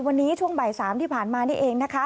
วันนี้ช่วงบ่าย๓ที่ผ่านมานี่เองนะคะ